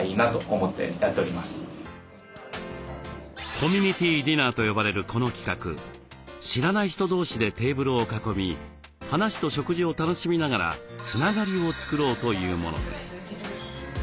コミュニティディナーと呼ばれるこの企画知らない人同士でテーブルを囲み話と食事を楽しみながらつながりを作ろうというものです。